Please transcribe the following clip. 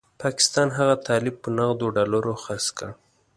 پاکستان هغه طالب په نغدو ډالرو خرڅ کړ.